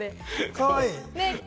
かわいい！